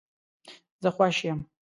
زه خوش یم